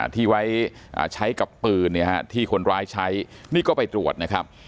ที่ไว้ใช้กับปืนที่คนร้ายใช้นี่ก็ไปตรวจนะครับ